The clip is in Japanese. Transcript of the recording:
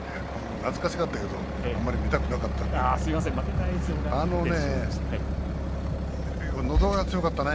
懐かしかったけどあまり見たくなかったね。